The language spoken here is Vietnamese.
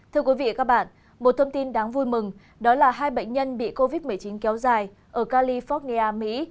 thưa quý vị và các bạn một thông tin đáng vui mừng đó là hai bệnh nhân bị covid một mươi chín kéo dài ở california mỹ